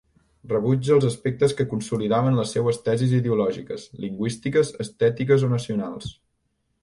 Rebutge els aspectes que consolidaven les seues tesis ideològiques, lingüístiques, estètiques o nacionals.